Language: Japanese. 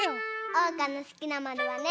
おうかのすきなまるはね。